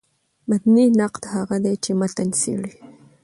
متني نقاد هغه دﺉ، چي متن څېړي.